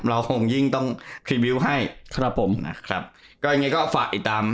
เราก็คงยิ่งต้องให้ครับผมนะครับก็ยังไงก็ฝากอีกตาม